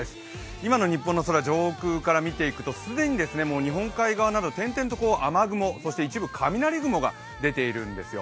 今の日本の空、上空から見ていくと既に日本海側など転々と雨雲、そして一部雷雲が出ているんですよ。